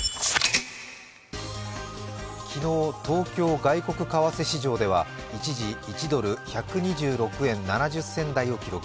昨日、東京外国為替市場では一時、１ドル＝１２６円７０銭台を記録。